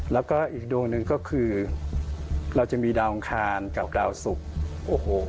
แล้วก็อีกดวงหนึ่งก็คือเราจะมีดาวอังคารกับดาวศุกร์โอ้โห